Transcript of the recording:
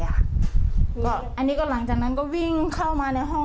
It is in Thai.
อันนี้ก็หลังจากนั้นก็วิ่งเข้ามาในห้อง